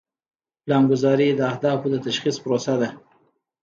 پلانګذاري د اهدافو د تشخیص پروسه ده.